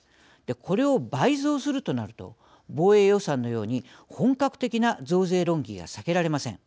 これを倍増するとなると防衛予算のように本格的な増税論議が避けられません。